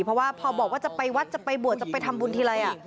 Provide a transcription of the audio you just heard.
เพราะว่าพอบอกว่าจะไปวัดจะไปบวชจะไปทำบุญทีไร